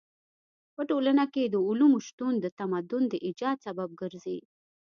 په ټولنه کې د علومو شتون د تمدن د ايجاد سبب ګرځي.